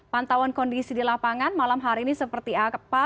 pantauan kondisi di lapangan malam hari ini seperti apa